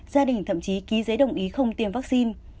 gia đình thậm chí ký giấy đồng ý không tiêm vaccine